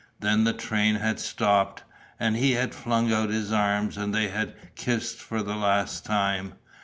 Then the train had stopped. And he had flung out his arms and they had kissed for the last time.